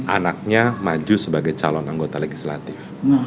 anaknya maju sebagai calon anggota legislatif